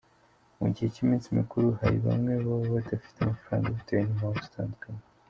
Mu gihe cy’iminsi mikuru hari bamwe baba badafite amafaranga bitewe n’impamvu zitandukanye.